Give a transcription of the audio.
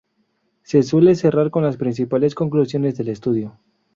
Se suele cerrar con las principales conclusiones del estudio.